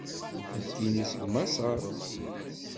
Nekkini seg maṣer.